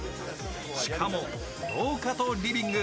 しかも、廊下とリビング